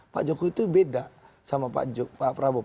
pak jokowi itu beda sama pak prabowo